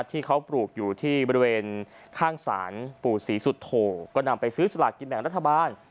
ที่เขาปลูกอยู่ที่บริเวณข้างศาลปู่ศรีสุโธก็นำไปซื้อสลากกินแบ่งรัฐบาล